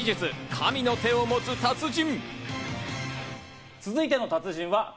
神の手を持つ達人。